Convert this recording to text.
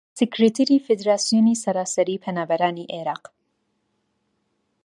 سکرتێری فیدراسیۆنی سەراسەریی پەنابەرانی عێراق